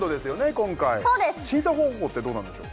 今回そうです審査方法ってどうなんでしょう